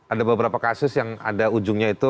ada beberapa kasus yang ada ujungnya itu